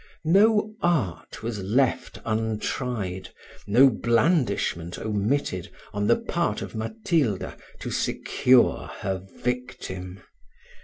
No art was left untried, no blandishment omitted, on the part of Matilda, to secure her victim.